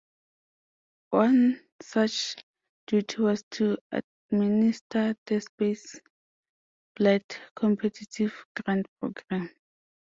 One such duty was to administer the Space Flight Competitive Grant Program.